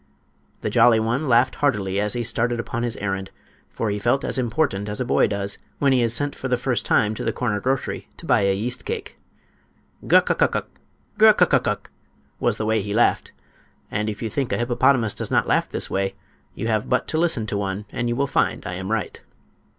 The jolly one laughed heartily as he started upon his errand, for he felt as important as a boy does when he is sent for the first time to the corner grocery to buy a yeast cake. "Guk uk uk uk! guk uk uk uk!" was the way he laughed; and if you think a hippopotamus does not laugh this way you have but to listen to one and you will find I am right.